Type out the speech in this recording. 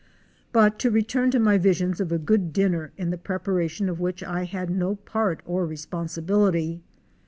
But to return to my visions of a good dinner in the prepara tion of which I had no part or responsibility.